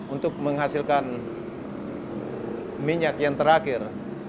untuk menghasilkan minyak yang terakhir